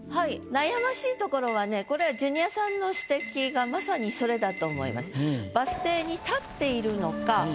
悩ましいところはねこれはジュニアさんの指摘がまさにそれだと思います。